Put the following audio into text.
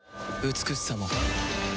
美しさも